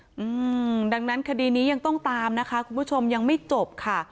อืมดังนั้นคดีนี้ยังต้องตามนะคะคุณผู้ชมยังไม่จบค่ะ